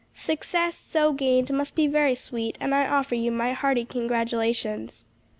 "Success, so gained, must be very sweet, and I offer you my hearty congratulations."